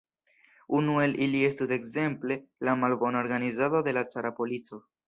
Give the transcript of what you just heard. Unu el ili estus ekzemple la malbona organizado de la cara polico.